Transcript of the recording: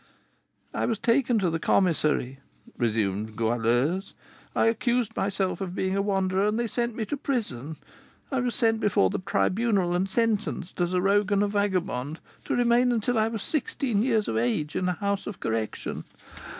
"I was taken to the commissary," resumed Goualeuse. "I accused myself of being a wanderer, and they sent me to prison. I was sent before the Tribunal, and sentenced, as a rogue and vagabond, to remain until I was sixteen years of age in a house of correction.